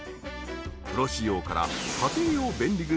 ［プロ仕様から家庭用便利グッズ］